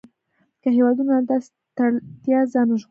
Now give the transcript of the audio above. که هېوادونه له داسې تړلتیا ځان وژغوري.